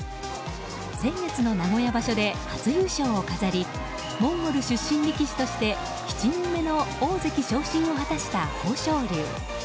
先月の名古屋場所で初優勝を飾りモンゴル出身力士として７人目の大関昇進を果たした豊昇龍。